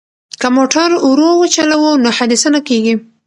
که موټر ورو وچلوو نو حادثه نه کیږي.